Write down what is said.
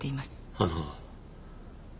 あの。